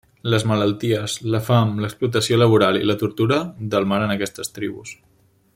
Les malalties, la fam, l'explotació laboral i la tortura delmaren aquestes tribus.